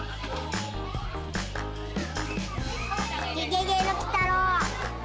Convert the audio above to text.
ゲゲゲのきたろう。